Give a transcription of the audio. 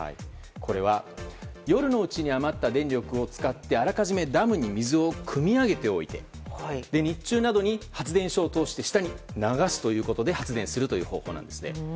これは夜のうちに余った電力を使ってあらかじめダムに水をくみ上げておいて日中などに発電所を通して下に流すということで発電する方法です。